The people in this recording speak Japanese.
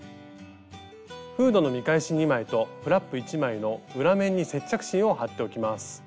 フードの見返し２枚とフラップ１枚の裏面に接着芯を貼っておきます。